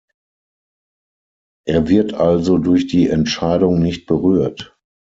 Er wird also durch die Entscheidung nicht berührt.